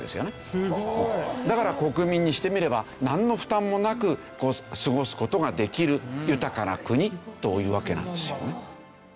すごい！だから国民にしてみればなんの負担もなく過ごす事ができる豊かな国というわけなんですよね。